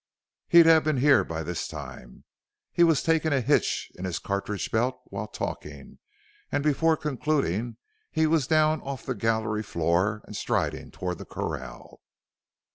"He'd have been here by this time!" He was taking a hitch in his cartridge belt while talking, and before concluding he was down off the gallery floor and striding toward the corral.